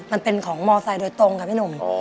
มันเป็นของมอไซค์โดยตรงค่ะพี่หนุ่ม